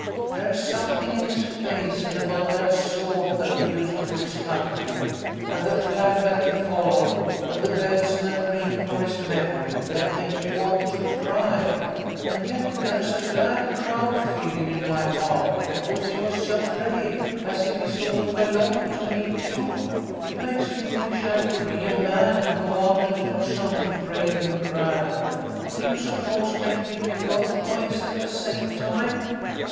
There's something in his face, and about that sword that he used for his country, and the flag that he followed, and the bells that ring for his memory, that make me want to cry ; and yet there's a glad, proud feelin' in my heart THE HOME OF A HERO. I?$ because he was so brave, as if he sort 01 belonged to me, too. It makes me wish I could be a man, and go out and do something brave and grand. What do you suppose makes me feel both ways at the same time